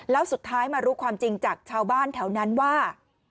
แล้วสุดท้ายมารู้ความจริงจากชาวบ้านแถวนั้นว่า